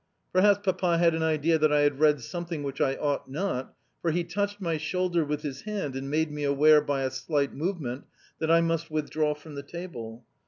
Perhaps Papa had an idea that I had read something which I ought not, for he touched my shoulder with his hand and made me aware, by a slight movement, that I must withdraw from the table.